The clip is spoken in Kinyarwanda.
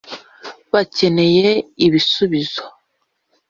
bacyeneye ibisubizo